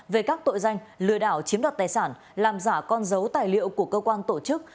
về các tội danh lừa đảo chiếm đoạt tài sản làm giả con dấu tài liệu của cơ quan tổ chức